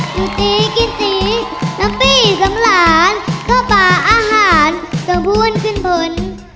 อยู่ตีกี๊ตีน้ำปี้สำหราญเข้าป่าอาหารสมบูรณ์ขึ้นพน